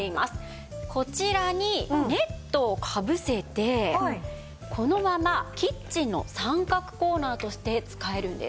こちらにネットをかぶせてこのままキッチンの三角コーナーとして使えるんです。